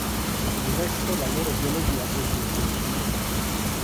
Per il resto la loro biologia può dirsi sconosciuta.